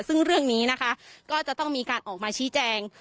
ซึ่งเรื่องนี้นะคะก็จะต้องมีการออกมาชี้แจง